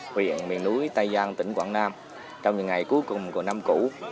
huyện miền núi tây giang tỉnh quảng nam trong những ngày cuối cùng của năm cũ